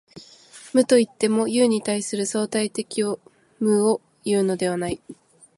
無といっても、有に対する相対的無をいうのではない。